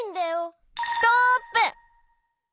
ストップ！